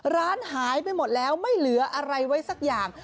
ร้านหายไปหมดแล้วไม่เหลืออะไรไว้สักอย่าง